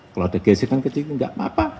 kalau ada gesekan kecil nggak apa apa